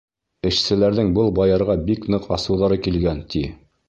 Эшселәрҙең был баярға бик ныҡ асыуҙары килгән, ти.